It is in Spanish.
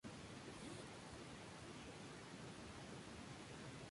Este dato fue confirmado en el referido Estudio Europeo.